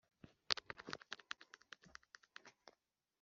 olivier nawe yungamo nawe ati”fabric uziko